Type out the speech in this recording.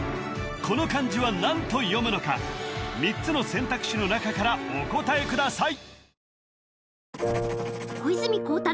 この漢字は何と読むのか３つの選択肢の中からお答えください